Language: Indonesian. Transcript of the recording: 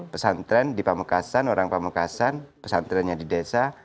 pesantren di pamekasan orang pamekasan pesantrennya di desa